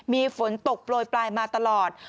มีฝนตกโปรยปลายมาตลอด